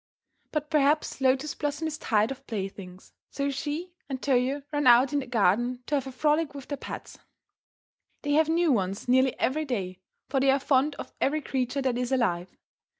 But perhaps Lotus Blossom is tired of playthings, so she and Toyo run out in the garden to have a frolic with their pets. They have new ones nearly every day, for they are fond of every creature that is alive.